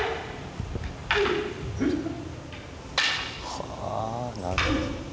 はぁなるほど。